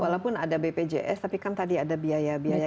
walaupun ada bpjs tapi kan tadi ada biaya biaya